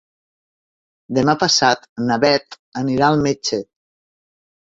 Demà passat na Bet anirà al metge.